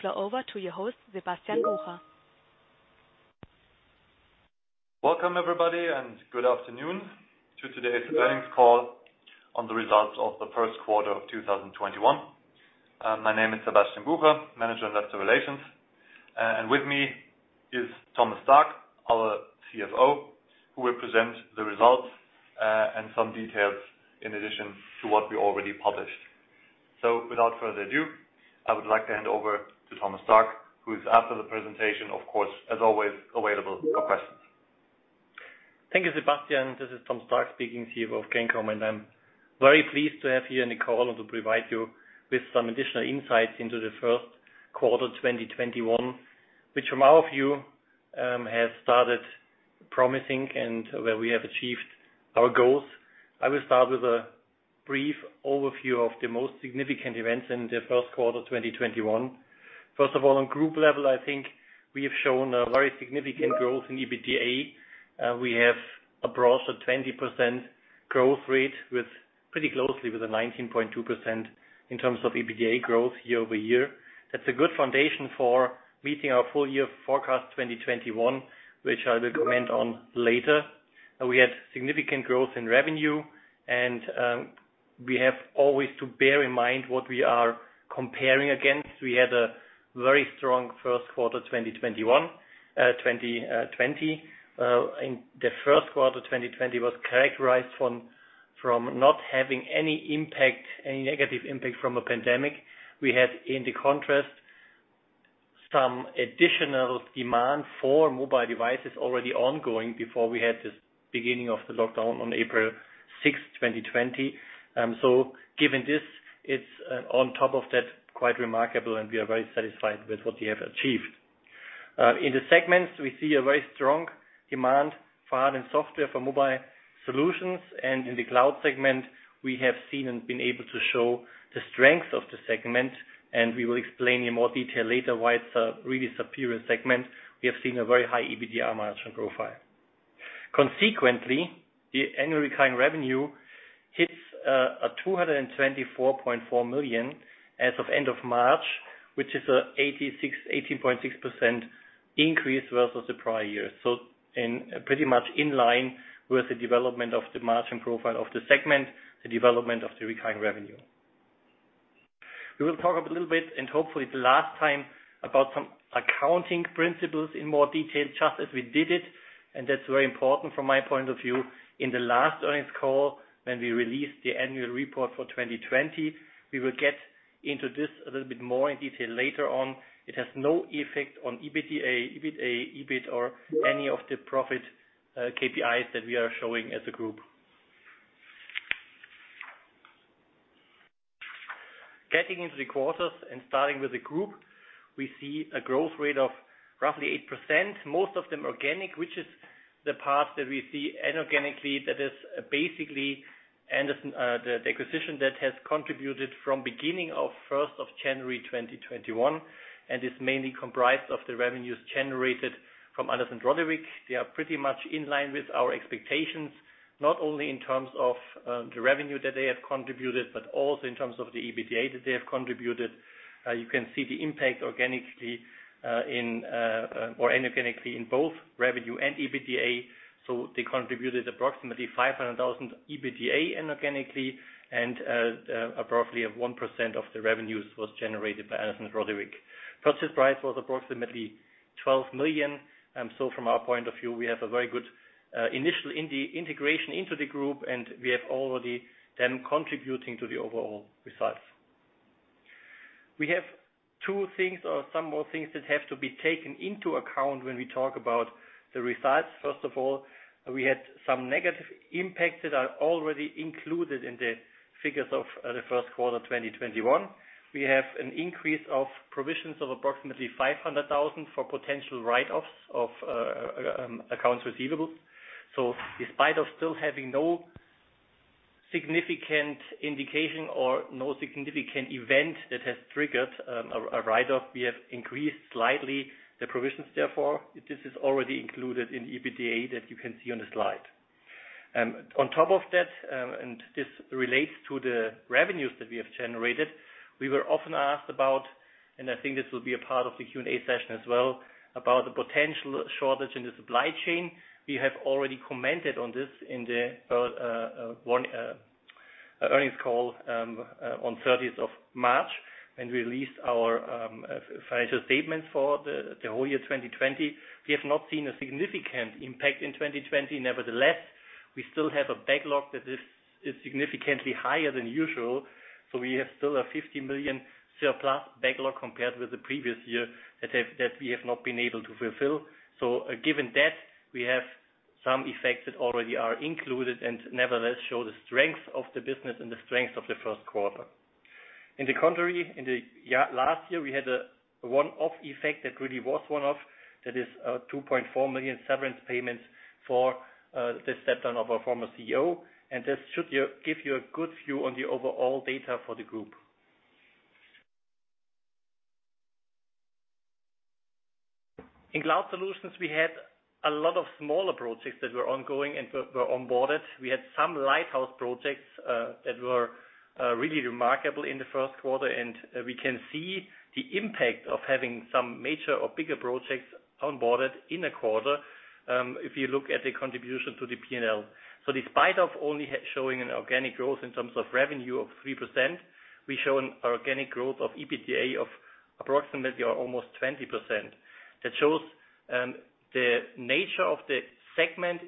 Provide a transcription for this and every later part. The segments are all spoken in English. Flow over to your host, Sebastian Bucher. Welcome everybody, good afternoon to today's earnings call on the results of the first quarter of 2021. My name is Sebastian Bucher, Manager Investor Relations. With me is Thomas Stark, our CFO, who will present the results, and some details in addition to what we already published. Without further ado, I would like to hand over to Thomas Stark, who is after the presentation, of course, as always, available for questions. Thank you, Sebastian. This is Thomas Stark speaking, CFO of Cancom, and I'm very pleased to have you on the call to provide you with some additional insights into the first quarter 2021, which from our view, has started promising and where we have achieved our goals. I will start with a brief overview of the most significant events in the first quarter 2021. First of all, on group level, I think we have shown a very significant growth in EBITDA. We have approached a 20% growth rate, pretty closely with a 19.2% in terms of EBITDA growth year-over-year. That's a good foundation for meeting our full year forecast 2021, which I will comment on later. We had significant growth in revenue and we have always to bear in mind what we are comparing against. We had a very strong first quarter 2020. In the first quarter 2020 was characterized from not having any negative impact from a pandemic. We had, in the contrast, some additional demand for mobile devices already ongoing before we had this beginning of the lockdown on April 6th, 2020. Given this, it's on top of that, quite remarkable, and we are very satisfied with what we have achieved. In the segments, we see a very strong demand for hard and software for mobile solutions. In the cloud segment, we have seen and been able to show the strength of the segment, and we will explain in more detail later why it's a really superior segment. We have seen a very high EBITDA margin profile. Consequently, the annual recurring revenue hits 224.4 million as of end of March, which is a 18.6% increase versus the prior year. Pretty much in line with the development of the margin profile of the segment, the development of the recurring revenue. We will talk a little bit, hopefully it's the last time, about some accounting principles in more detail, just as we did it, that's very important from my point of view. In the last earnings call, when we released the annual report for 2020, we will get into this a little bit more in detail later on. It has no effect on EBITDA, EBITA, EBIT, or any of the profit KPIs that we are showing as a group. Getting into the quarters, starting with the group, we see a growth rate of roughly 8%, most of them organic, which is the part that we see inorganically that is basically the acquisition that has contributed from beginning of 1st of January 2021, and is mainly comprised of the revenues generated from Anders & Rodewyk. They are pretty much in line with our expectations, not only in terms of the revenue that they have contributed, but also in terms of the EBITDA that they have contributed. You can see the impact inorganically in both revenue and EBITDA. They contributed approximately 500,000 EBITDA inorganically, and approximately 1% of the revenues was generated by Anders & Rodewyk. Purchase price was approximately 12 million. From our point of view, we have a very good initial integration into the group, and we have already them contributing to the overall results. We have two things or some more things that have to be taken into account when we talk about the results. First of all, we had some negative impacts that are already included in the figures of the first quarter 2021. We have an increase of provisions of approximately 500,000 for potential write-offs of accounts receivables. In spite of still having no significant indication or no significant event that has triggered a write-off, we have increased slightly the provisions therefore. This is already included in EBITDA that you can see on the slide. On top of that, and this relates to the revenues that we have generated, we were often asked about, and I think this will be a part of the Q&A session as well, about the potential shortage in the supply chain. We have already commented on this in the one earnings call on 30th of March when we released our financial statements for the whole year 2020. We have not seen a significant impact in 2020. Nevertheless, we still have a backlog that is significantly higher than usual. We have still a 50 million surplus backlog compared with the previous year that we have not been able to fulfill. Given that, we have some effects that already are included and nevertheless show the strength of the business and the strength of the first quarter. In the contrary, in the last year, we had a one-off effect that really was one-off. That is a 2.4 million severance payment for the step-down of our former CEO. This should give you a good view on the overall data for the group. In cloud solutions, we had a lot of smaller projects that were ongoing and were onboarded. We had some lighthouse projects that were really remarkable in the first quarter, and we can see the impact of having some major or bigger projects onboarded in a quarter if you look at the contribution to the P&L. Despite of only showing an organic growth in terms of revenue of 3%, we show an organic growth of EBITDA of approximately or almost 20%. That shows the nature of the segment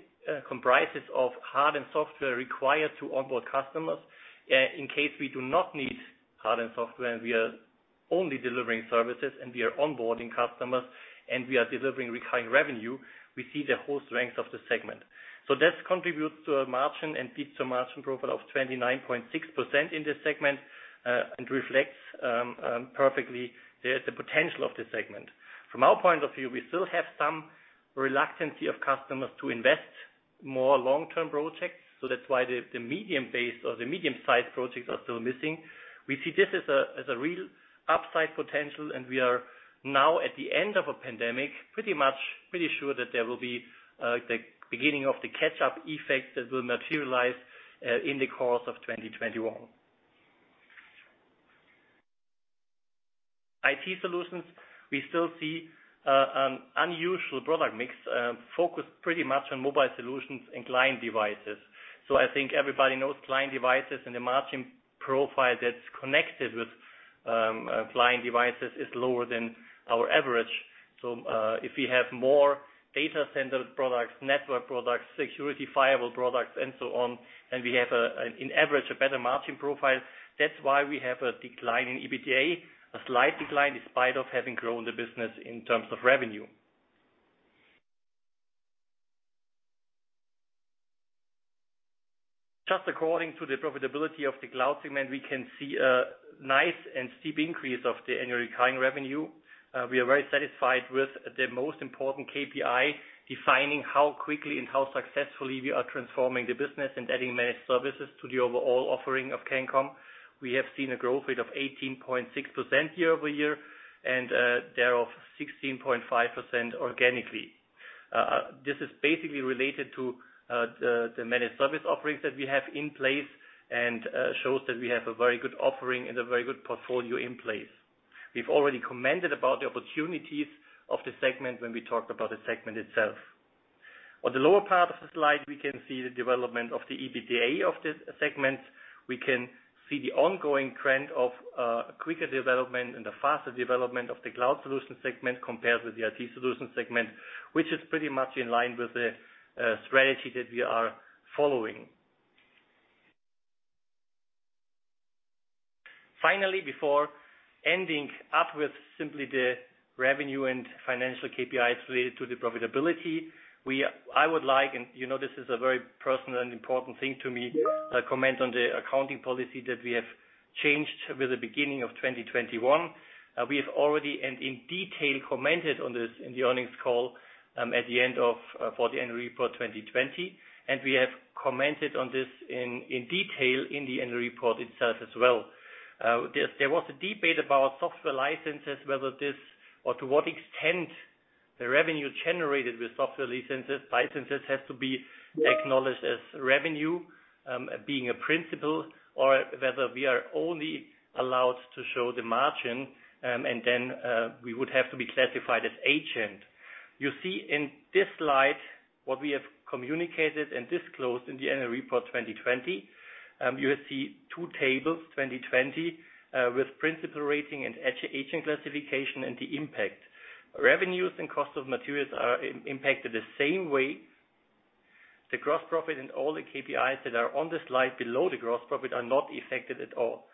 comprises of hard and software required to onboard customers. In case we do not need hard and software and we are only delivering services, and we are onboarding customers, and we are delivering recurring revenue, we see the whole strength of the segment. That contributes to a margin and EBITDA margin profile of 29.6% in this segment, and reflects perfectly the potential of this segment. From our point of view, we still have some reluctance of customers to invest more long-term projects. That's why the medium base or the medium-sized projects are still missing. We see this as a real upside potential, and we are now at the end of a pandemic, pretty sure that there will be the beginning of the catch-up effect that will materialize in the course of 2021. IT solutions, we still see an unusual product mix, focused pretty much on mobile solutions and client devices. I think everybody knows client devices and the margin profile that's connected with client devices is lower than our average. If we have more data center products, network products, security firewall products, and so on, and we have in average a better margin profile, that is why we have a decline in EBITDA, a slight decline despite of having grown the business in terms of revenue. According to the profitability of the cloud segment, we can see a nice and steep increase of the annual recurring revenue. We are very satisfied with the most important KPI defining how quickly and how successfully we are transforming the business and adding managed services to the overall offering of Cancom. We have seen a growth rate of 18.6% year-over-year, and thereof, 16.5% organically. This is basically related to the managed service offerings that we have in place and shows that we have a very good offering and a very good portfolio in place. We've already commented about the opportunities of the segment when we talked about the segment itself. On the lower part of the slide, we can see the development of the EBITDA of this segment. We can see the ongoing trend of quicker development and the faster development of the cloud solution segment compared with the IT solution segment, which is pretty much in line with the strategy that we are following. Finally, before ending up with simply the revenue and financial KPIs related to the profitability, I would like, and you know this is a very personal and important thing to me, comment on the accounting policy that we have changed with the beginning of 2021. We have already and in detail commented on this in the earnings call for the annual report 2020, and we have commented on this in detail in the annual report itself as well. There was a debate about software licenses, whether this or to what extent the revenue generated with software licenses has to be acknowledged as revenue, being a principal, or whether we are only allowed to show the margin, and then we would have to be classified as agent. You see in this slide what we have communicated and disclosed in the annual report 2020. You will see two tables 2020, with principal rating and agent classification and the impact. Revenues and cost of materials are impacted the same way. The gross profit and all the KPIs that are on the slide below the gross profit are not affected at all,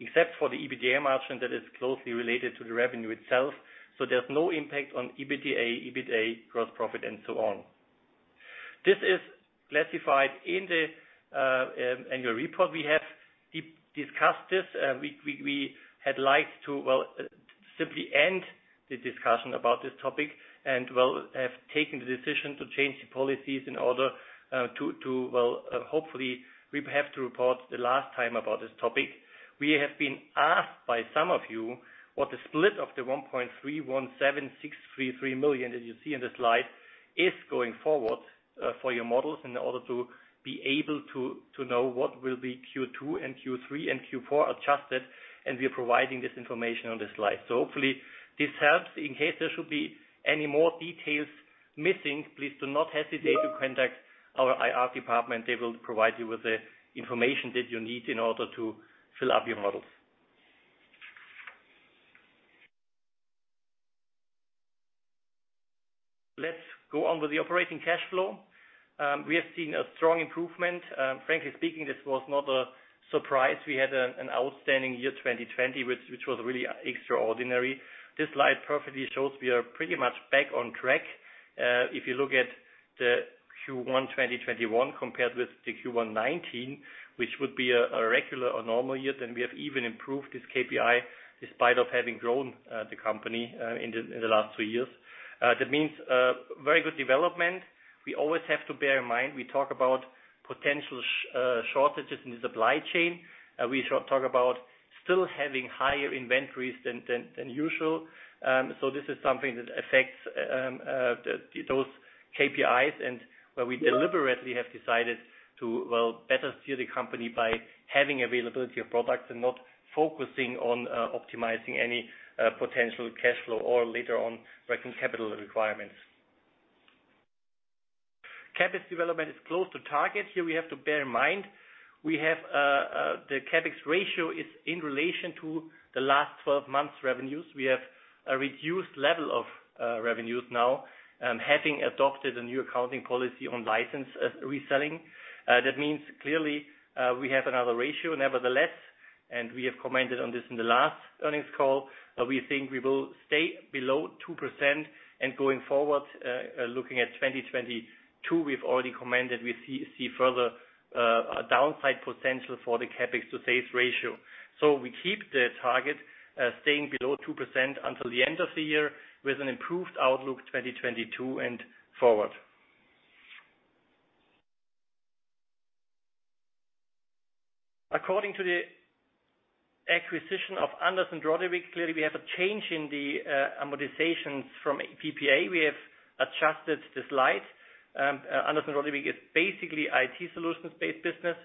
except for the EBITDA margin that is closely related to the revenue itself. There's no impact on EBITDA, EBITA, gross profit, and so on. This is classified in the annual report. We have discussed this. We had liked to, well, simply end the discussion about this topic, and well, have taken the decision to change the policies in order to, well, hopefully, we have to report the last time about this topic. We have been asked by some of you what the split of the 1.317633 million, as you see in the slide, is going forward for your models in order to be able to know what will be Q2 and Q3 and Q4 adjusted, and we are providing this information on this slide. Hopefully this helps. In case there should be any more details missing, please do not hesitate to contact our IR department. They will provide you with the information that you need in order to fill up your models. Let's go on with the operating cash flow. We have seen a strong improvement. Frankly speaking, this was not a surprise. We had an outstanding year 2020, which was really extraordinary. This slide perfectly shows we are pretty much back on track. If you look at the Q1 2021 compared with the Q1 2019, which would be a regular or normal year, then we have even improved this KPI despite of having grown the company in the last two years. That means very good development. We always have to bear in mind, we talk about potential shortages in the supply chain. We talk about still having higher inventories than usual. This is something that affects those KPIs and where we deliberately have decided to better steer the company by having availability of products and not focusing on optimizing any potential cash flow or later on working capital requirements. CapEx development is close to target. Here we have to bear in mind, we have the CapEx ratio is in relation to the last 12 months revenues. We have a reduced level of revenues now, having adopted a new accounting policy on license reselling. That means clearly we have another ratio. Nevertheless, and we have commented on this in the last earnings call, we think we will stay below 2% and going forward, looking at 2022, we've already commented we see further downside potential for the CapEx to sales ratio. We keep the target staying below 2% until the end of the year with an improved outlook 2022 and forward. According to the acquisition of Anders & Rodewyk, clearly we have a change in the amortizations from PPA. We have adjusted the slide. Anders & Rodewyk is basically IT solutions based business.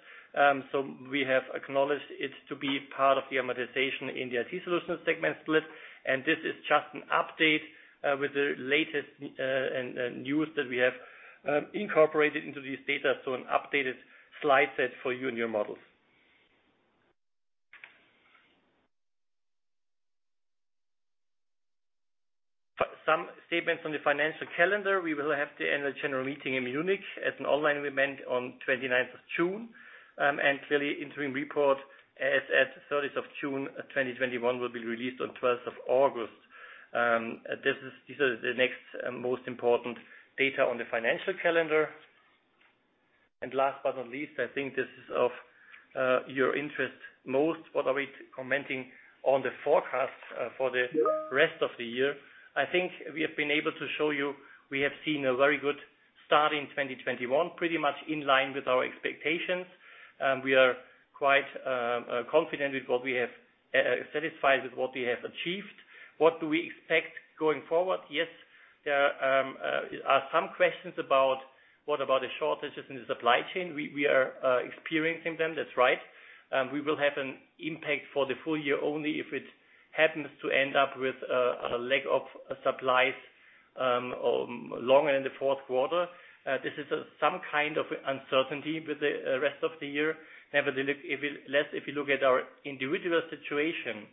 We have acknowledged it to be part of the amortization in the IT solutions segment split. This is just an update with the latest news that we have incorporated into these data. An updated slide set for you and your models. Some statements on the financial calendar. We will have the annual general meeting in Munich as an online event on 29th of June. Clearly interim report as at 30th of June 2021 will be released on 12th of August. These are the next most important data on the financial calendar. Last but not least, I think this is of your interest most, what are we commenting on the forecast for the rest of the year? I think we have been able to show you we have seen a very good start in 2021, pretty much in line with our expectations. We are quite confident with what we have, satisfied with what we have achieved. What do we expect going forward? Yes, there are some questions about what about the shortages in the supply chain. We are experiencing them, that's right. We will have an impact for the full year only if it happens to end up with a lack of supplies longer in the fourth quarter. This is some kind of uncertainty with the rest of the year. If you look at our individual situation,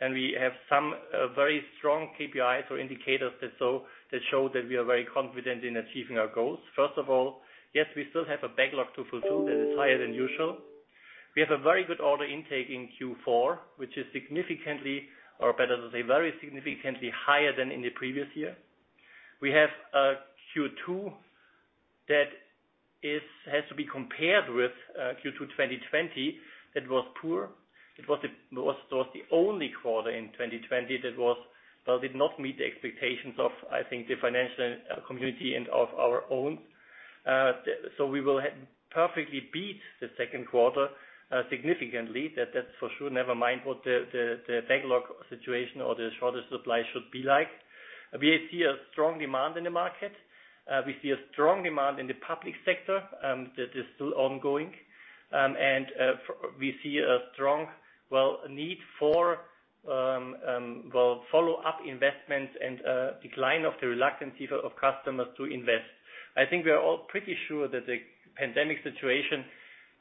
then we have some very strong KPIs or indicators that show that we are very confident in achieving our goals. First of all, yes, we still have a backlog to fulfill that is higher than usual. We have a very good order intake in Q4, which is significantly, or better to say, very significantly higher than in the previous year. We have Q2 that has to be compared with Q2 2020. That was poor. It was the only quarter in 2020 that did not meet the expectations of, I think, the financial community and of our own. We will perfectly beat the second quarter, significantly, that's for sure, never mind what the backlog situation or the shorter supply should be like. We see a strong demand in the market. We see a strong demand in the public sector that is still ongoing. We see a strong need for follow-up investments and a decline of the reluctance of customers to invest. I think we are all pretty sure that the pandemic situation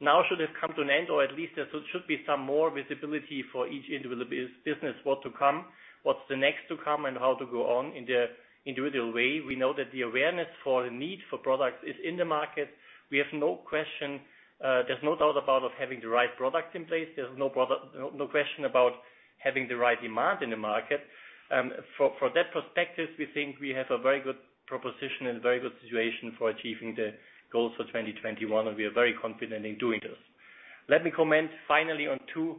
now should have come to an end, or at least there should be some more visibility for each individual business, what to come, what's the next to come, and how to go on in the individual way. We know that the awareness for the need for products is in the market. We have no question. There's no doubt about us having the right products in place. There's no question about having the right demand in the market. From that perspective, we think we have a very good proposition and a very good situation for achieving the goals for 2021, and we are very confident in doing this. Let me comment finally on two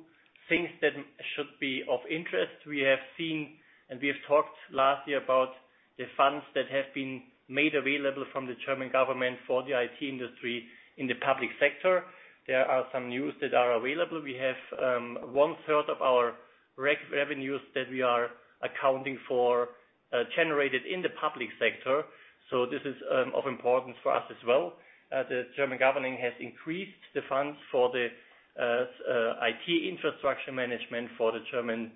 things that should be of interest. We have seen, and we have talked last year about the funds that have been made available from the German government for the IT industry in the public sector. There are some news that are available. We have 1/3 of our revenues that we are accounting for generated in the public sector, so this is of importance for us as well. The German government has increased the funds for the IT infrastructure management for the German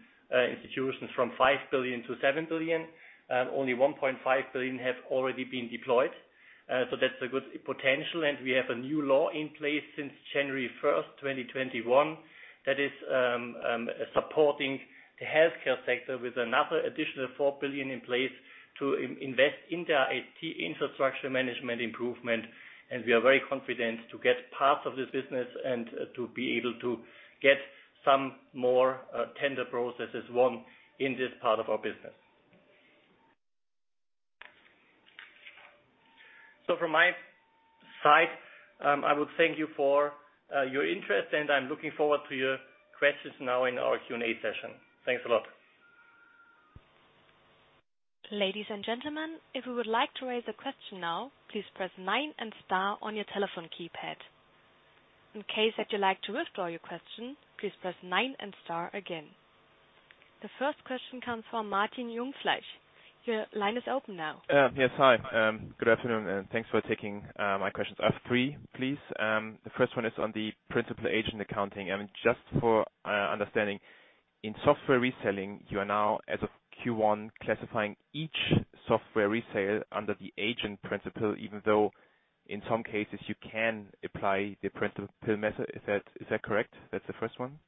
institutions from 5 billion-7 billion. Only 1.5 billion have already been deployed. That's a good potential, and we have a new law in place since January 1st, 2021, that is supporting the healthcare sector with another additional 4 billion in place to invest in their IT infrastructure management improvement. We are very confident to get part of this business and to be able to get some more tender processes won in this part of our business. From my side, I would thank you for your interest and I'm looking forward to your questions now in our Q&A session. Thanks a lot. Ladies and gentlemen, if you would like to raise a question now, please press nine and star on your telephone keypad. In case that you'd like to withdraw your question, please press nine and star again. The first question comes from Martin Jungfleisch. Your line is open now. Yes. Hi. Good afternoon, and thanks for taking my questions. I have three, please. The first one is on the principal agent accounting, and just for understanding, in software reselling, you are now as of Q1 classifying each software resale under the agent principal, even though in some cases you can apply the principal method. Is that correct? That's the first one.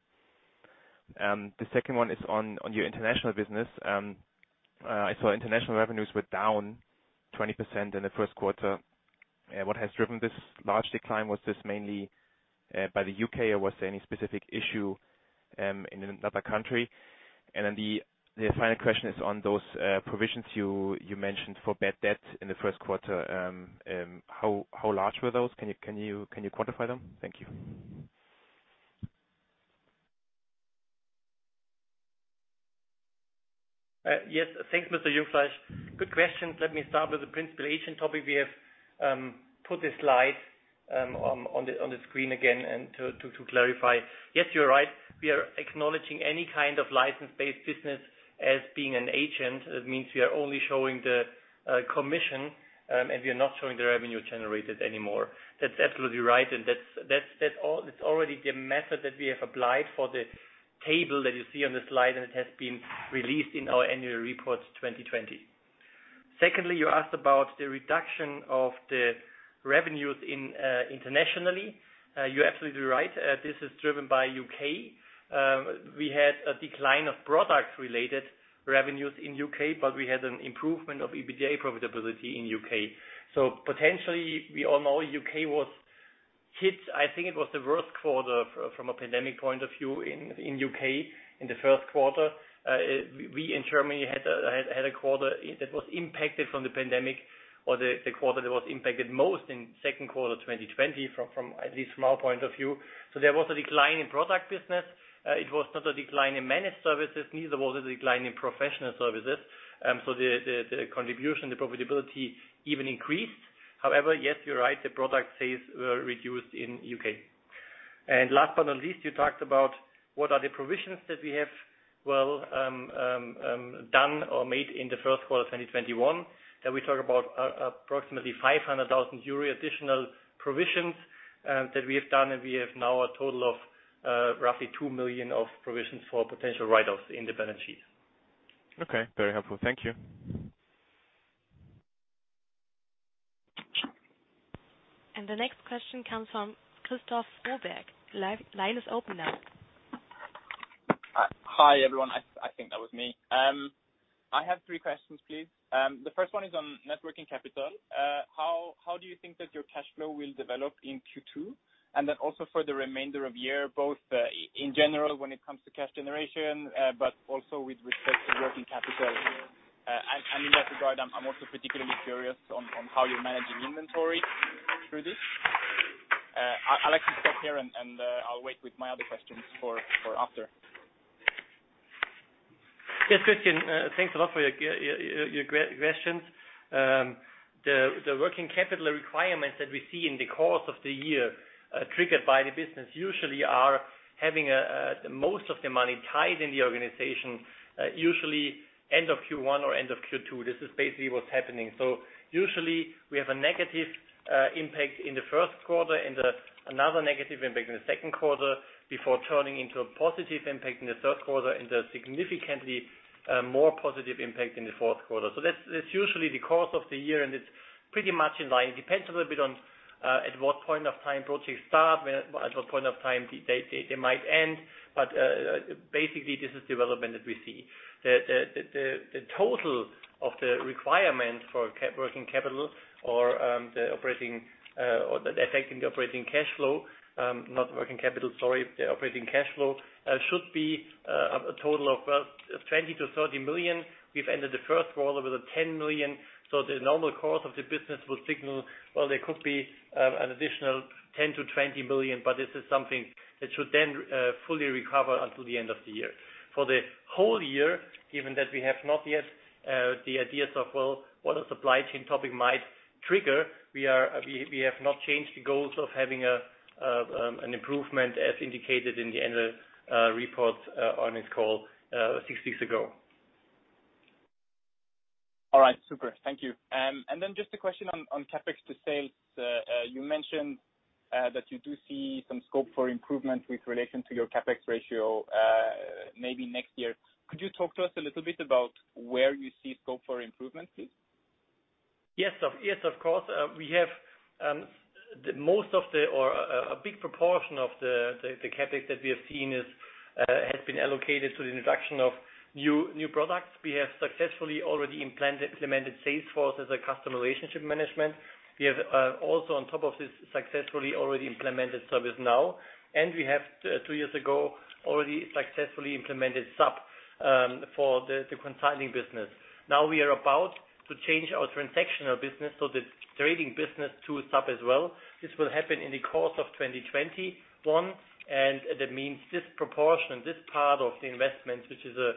The second one is on your international business. I saw international revenues were down 20% in the first quarter. What has driven this large decline? Was this mainly by the U.K. or was there any specific issue in another country? The final question is on those provisions you mentioned for bad debt in the first quarter. How large were those? Can you quantify them? Thank you. Yes. Thanks, Mr. Jungfleisch. Good questions. Let me start with the principal agent topic. We have put a slide on the screen again and to clarify. Yes, you're right. We are acknowledging any kind of license-based business as being an agent. That means we are only showing the commission, and we are not showing the revenue generated anymore. That's absolutely right, and that's already the method that we have applied for the table that you see on the slide, and it has been released in our annual report 2020. Secondly, you asked about the reduction of the revenues internationally. You're absolutely right. This is driven by U.K. We had a decline of product-related revenues in U.K., but we had an improvement of EBITDA profitability in U.K. Potentially, we all know U.K. was hit, I think it was the worst quarter from a pandemic point of view in U.K. in the first quarter. We in Germany had a quarter that was impacted from the pandemic or the quarter that was impacted most in second quarter 2020, at least from our point of view. There was a decline in product business. It was not a decline in managed services, neither was it a decline in professional services. The contribution, the profitability even increased. However, yes, you're right, the product sales were reduced in U.K. Last but not least, you talked about what are the provisions that we have, well, done or made in the first quarter of 2021. That we talk about approximately 500,000 euro additional provisions that we have done, and we have now a total of roughly 2 million of provisions for potential write-offs in the balance sheet. Okay. Very helpful. Thank you. The next question comes from Gustav Fröberg. Line is open now. Hi, everyone. I think that was me. I have three questions, please. The first one is on working capital. How do you think that your cash flow will develop in Q2? Also for the remainder of the year, both in general when it comes to cash generation, but also with respect to working capital. In that regard, I'm also particularly curious on how you're managing inventory through this. I'd like to stop here and I'll wait with my other questions for after. thanks a lot for your questions. The working capital requirements that we see in the course of the year triggered by the business usually are having most of the money tied in the organization, usually end of Q1 or end of Q2. This is basically what's happening. Usually, we have a negative impact in the first quarter and another negative impact in the second quarter before turning into a positive impact in the third quarter, and a significantly more positive impact in the fourth quarter. That's usually the course of the year, and it's pretty much in line. Depends a little bit on at what point of time projects start and at what point of time they might end. Basically, this is the development that we see. The total of the requirement for working capital or the effect in the operating cash flow, not working capital, sorry, the operating cash flow, should be a total of 20 million-30 million. We've ended the first quarter with a 10 million. The normal course of the business will signal, well, there could be an additional 10 million-20 million. This is something that should then fully recover until the end of the year. For the whole year, given that we have not yet the ideas of, well, what a supply chain topic might trigger, we have not changed the goals of having an improvement as indicated in the annual report on this call six weeks ago. All right. Super. Thank you. Just a question on CapEx to sales. You mentioned that you do see some scope for improvement with relation to your CapEx ratio maybe next year. Could you talk to us a little bit about where you see scope for improvement, please? Yes, of course. We have a big proportion of the CapEx that we have seen has been allocated to the introduction of new products. We have successfully already implemented Salesforce as a customer relationship management. We have also on top of this successfully already implemented ServiceNow, and we have two years ago already successfully implemented SAP for the consulting business. Now we are about to change our transactional business, so the trading business tool SAP as well. This will happen in the course of 2021, and that means this proportion, this part of the investment, which is quite a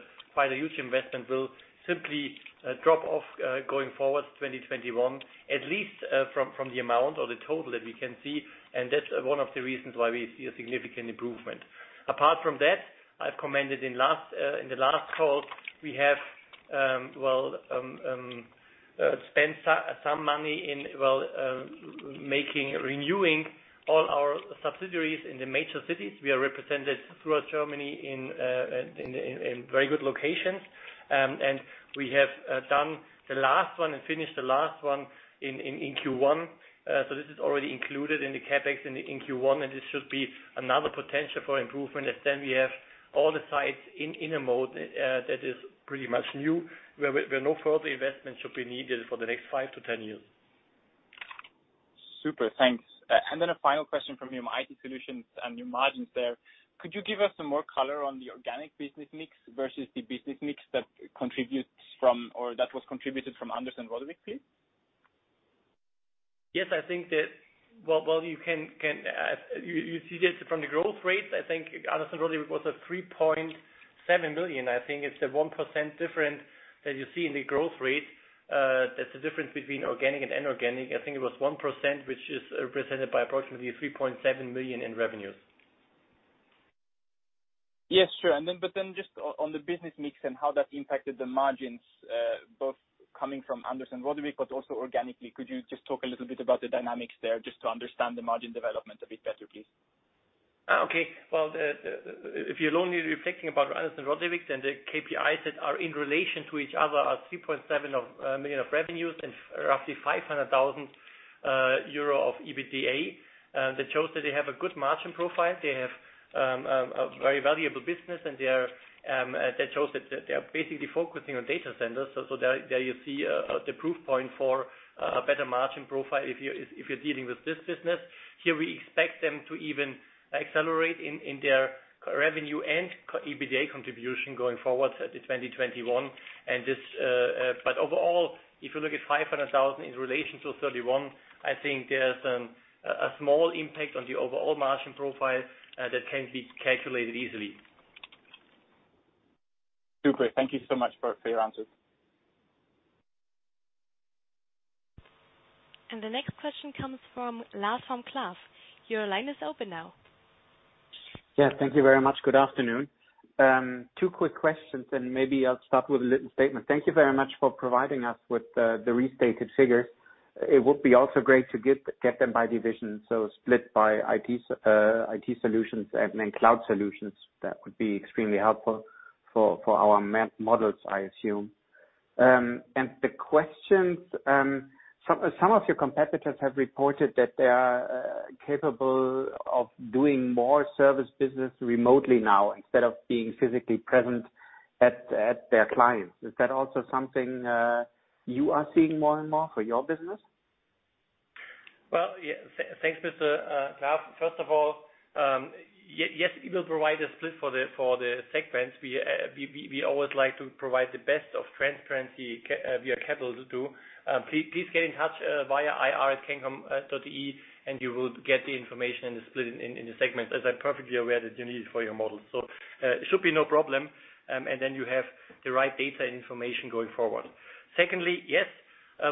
huge investment, will simply drop off going forward 2021, at least from the amount or the total that we can see, and that's one of the reasons why we see a significant improvement. Apart from that, I've commented in the last call, we have spent some money in renewing all our subsidiaries in the major cities. We are represented throughout Germany in very good locations. We have done the last one and finished the last one in Q1. This is already included in the CapEx in Q1, and this should be another potential for improvement. We have all the sites in a mode that is pretty much new, where no further investment should be needed for the next 5-10 years. Super, thanks. A final question from me on IT solutions and your margins there. Could you give us some more color on the organic business mix versus the business mix that was contributed from Anders & Rodewyk, please? Yes, I think that, well, you see this from the growth rate. I think Anders & Rodewyk was at 3.7 million, I think it's the 1% difference that you see in the growth rate. That's the difference between organic and inorganic. I think it was 1%, which is represented by approximately 3.7 million in revenues. Yes, sure. Just on the business mix and how that impacted the margins, both coming from Anders & Rodewyk, but also organically. Could you just talk a little bit about the dynamics there, just to understand the margin development a bit better, please? Well, if you're only reflecting about Anders & Rodewyk, then the KPIs that are in relation to each other are 3.7 million of revenues and roughly 500,000 euro of EBITDA. That shows that they have a good margin profile. They have a very valuable business, and they chose that they are basically focusing on data centers. There you see the proof point for a better margin profile if you're dealing with this business. Here we expect them to even accelerate in their revenue and EBITDA contribution going forward to 2021. Overall, if you look at 500,000 in relation to 31 million, I think there's a small impact on the overall margin profile that can be calculated easily. Super. Thank you so much for your answers. The next question comes from Lars vom Cleff. Your line is open now. Thank you very much. Good afternoon. Two quick questions. Maybe I'll start with a little statement. Thank you very much for providing us with the restated figures. It would be also great to get them by division, so split by IT Solutions and then Cloud Solutions. That would be extremely helpful for our map models, I assume. The questions, some of your competitors have reported that they are capable of doing more service business remotely now instead of being physically present at their clients. Is that also something you are seeing more and more for your business? Well, yeah. Thanks, Mr. Cleff. First of all, yes, we will provide a split for the segments. We always like to provide the best of transparency we are capable to do. Please get in touch via ir@cancom.de, you will get the information and the split in the segment, as I'm perfectly aware that you need it for your model. It should be no problem, you have the right data information going forward. Secondly, yes,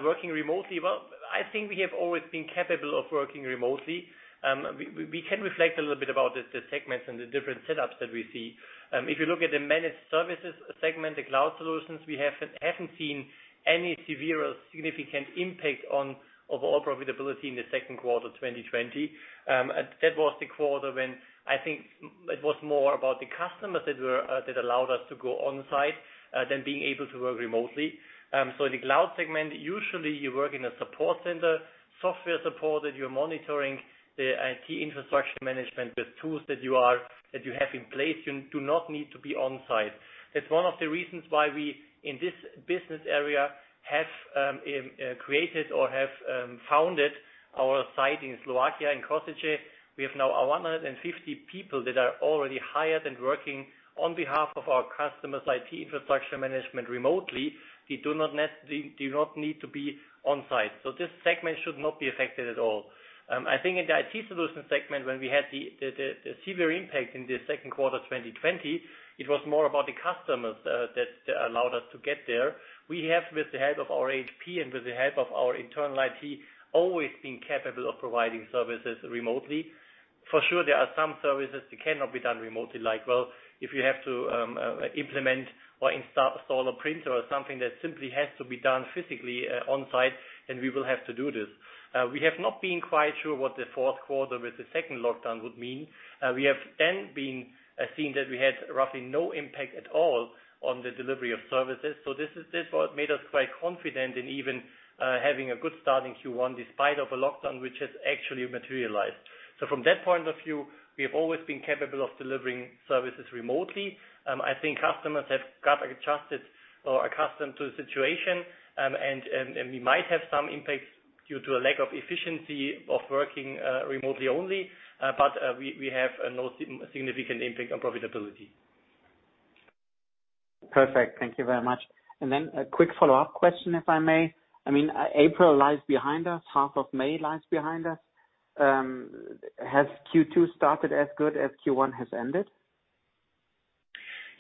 working remotely. Well, I think we have always been capable of working remotely. We can reflect a little bit about the segments and the different setups that we see. If you look at the managed services segment, the cloud solutions, we haven't seen any severe or significant impact on overall profitability in the second quarter 2020. That was the quarter when I think it was more about the customers that allowed us to go on site than being able to work remotely. In the cloud segment, usually you work in a support center, software supported, you're monitoring the IT infrastructure management with tools that you have in place. You do not need to be on site. That's one of the reasons why we, in this business area, have created or have founded our site in Slovakia, in Kosice. We have now 150 people that are already hired and working on behalf of our customers' IT infrastructure management remotely. They do not need to be on site. This segment should not be affected at all. I think in the IT solution segment, when we had the severe impact in the second quarter 2020, it was more about the customers that allowed us to get there. We have, with the help of our HR and with the help of our internal IT, always been capable of providing services remotely. There are some services that cannot be done remotely, like, well, if you have to implement or install a printer or something that simply has to be done physically on site, then we will have to do this. We have not been quite sure what the fourth quarter with the second lockdown would mean. We have seen that we had roughly no impact at all on the delivery of services. This is what made us quite confident in even having a good start in Q1, despite of a lockdown, which has actually materialized. From that point of view, we have always been capable of delivering services remotely. I think customers have got adjusted or accustomed to the situation, and we might have some impacts due to a lack of efficiency of working remotely only, but we have no significant impact on profitability. Perfect. Thank you very much. Then a quick follow-up question, if I may. April lies behind us, half of May lies behind us. Has Q2 started as good as Q1 has ended?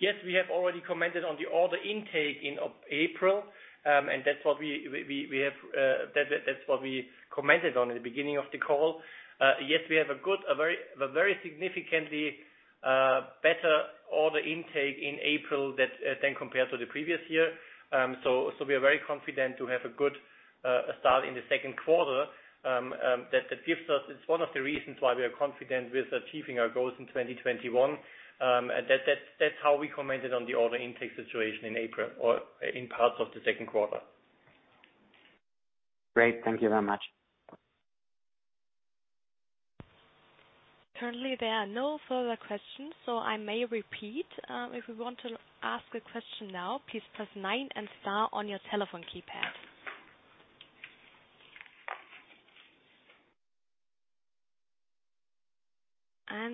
Yes, we have already commented on the order intake in April. That's what we commented on at the beginning of the call. Yes, we have a very significantly better order intake in April than compared to the previous year. We are very confident to have a good start in the second quarter. It's one of the reasons why we are confident with achieving our goals in 2021. That's how we commented on the order intake situation in April or in parts of the second quarter. Great. Thank you very much. Currently, there are no further questions. I may repeat. If you want to ask a question now, please press nine and star on your telephone keypad.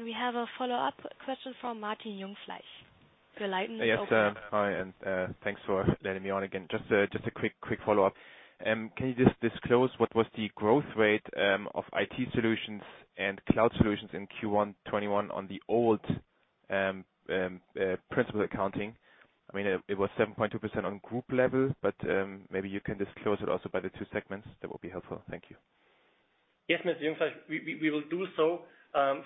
We have a follow-up question from Martin Jungfleisch. Go ahead. Yes. Hi, and thanks for letting me on again. Just a quick follow-up. Can you just disclose what was the growth rate of IT solutions and cloud solutions in Q1 2021 on the old principal accounting? It was 7.2% on group level, but maybe you can disclose it also by the two segments. That would be helpful. Thank you. Yes, Mr. Jungfleisch. We will do so.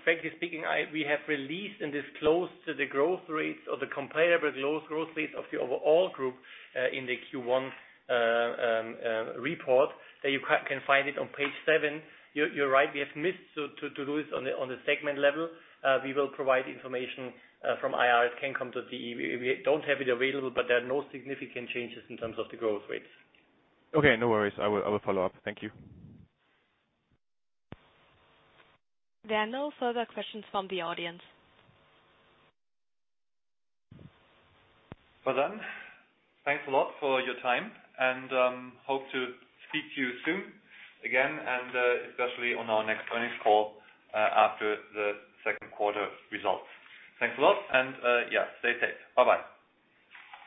Frankly speaking, we have released and disclosed the growth rates or the comparable growth rates of the overall group in the Q1 report. You can find it on page seven. You're right, we have missed to do it on the segment level. We will provide information from IR at cancom.de. We don't have it available. There are no significant changes in terms of the growth rates. Okay, no worries. I will follow up. Thank you. There are no further questions from the audience. Thanks a lot for your time, and hope to speak to you soon again, and especially on our next earnings call after the second quarter results. Thanks a lot, and stay safe. Bye-bye.